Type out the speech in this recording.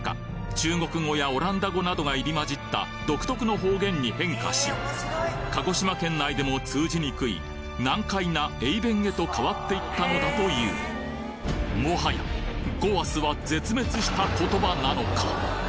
中国語やオランダ語などが入り交じった独特の方言に変化し鹿児島県内でも通じにくい難解な頴娃弁へと変わっていったのだというもはや「ごわす」は絶滅した言葉なのか！？